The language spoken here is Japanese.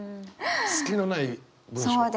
隙のない文章？